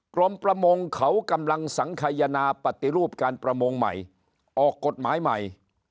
กรมประมงเขากำลังสังขยนาปฏิรูปการประมงใหม่ออกกฎหมายใหม่